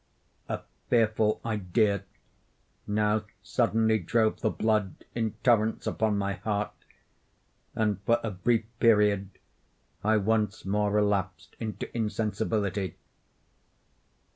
A fearful idea now suddenly drove the blood in torrents upon my heart, and for a brief period, I once more relapsed into insensibility.